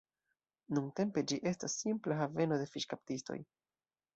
Nuntempe ĝi estas simpla haveno de fiŝkaptistoj.